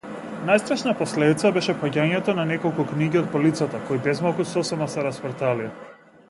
Најстрашна последица беше паѓањето на неколку книги од полицата кои безмалку сосема се распарталија.